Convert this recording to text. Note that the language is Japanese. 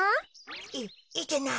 いいけない。